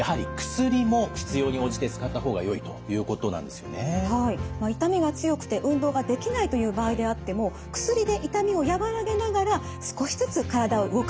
痛みが強くて運動ができないという場合であっても薬で痛みを和らげながら少しずつ体を動かすというのがおすすめなんです。